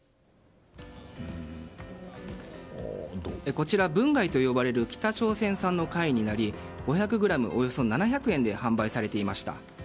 こちら、文貝と呼ばれる北朝鮮産の貝になり５００ｇ、およそ７００円で販売されていました。